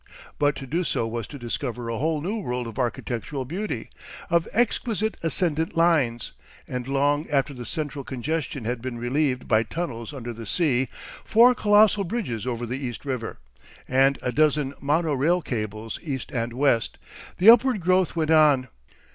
But to do so was to discover a whole new world of architectural beauty, of exquisite ascendant lines, and long after the central congestion had been relieved by tunnels under the sea, four colossal bridges over the east river, and a dozen mono rail cables east and west, the upward growth went on.